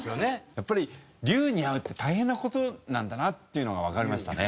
やっぱり龍に会うって大変な事なんだなっていうのがわかりましたね。